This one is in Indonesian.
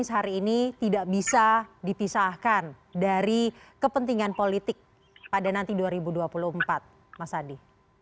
hari ini tidak bisa dipisahkan dari kepentingan politik pada nanti dua ribu dua puluh empat mas adi